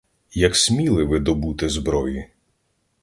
Як сміли ви добути зброї?